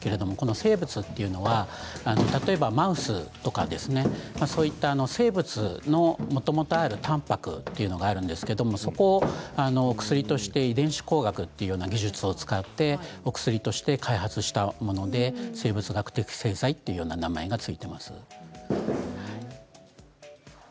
生物というのは例えば、マウスとかそういった生物のもともとあるたんぱくというのがあるんですがそれを薬として遺伝子工学というような技術を使ってお薬として開発したもので生物学的製剤という名前が付いています。